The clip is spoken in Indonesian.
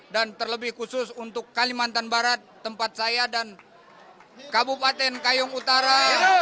dan terlebih khusus untuk kalimantan barat tempat saya dan kabupaten kayung utara